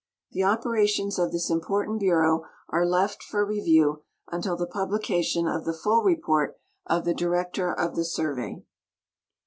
— The operations of this important bureau are left for review until the publication of the full report of the Director of the Surve}'.